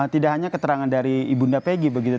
tidak hanya keterangan dari ibunda pegi begitu